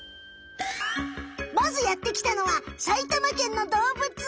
まずやってきたのは埼玉けんのどうぶつえん。